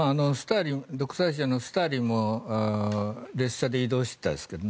独裁者のスターリンも列車で移動してましたけどね。